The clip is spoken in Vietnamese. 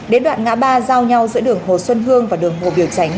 đến đoạn ngã ba giao nhau giữa đường hồ xuân hương và đường hồ biểu tránh